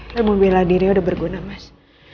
kamu berdua sudah berguna mas